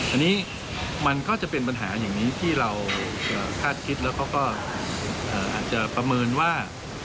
อันนี้มันก็จะเป็นปัญหาอย่างนี้ที่เราคาดคิดแล้วเขาก็อาจจะประเมินว่า